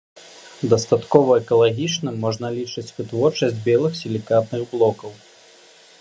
Дастаткова экалагічным можна лічыць вытворчасць белых сілікатных блокаў.